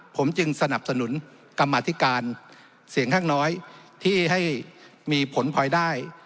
ผมจึงสนับสนุนกรรมาธิการเสียงข้างน้อยที่ให้มีผลพลอยได้